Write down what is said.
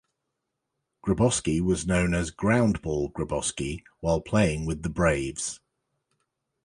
Gryboski was known as "Groundball" Gryboski while playing with the Braves.